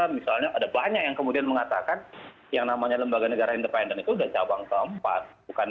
misalnya ada banyak yang kemudian mengatakan yang namanya lembaga negara independen itu sudah cabang keempat